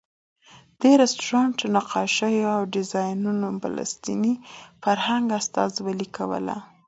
د رسټورانټ نقاشیو او ډیزاین فلسطیني فرهنګ استازولې کوله.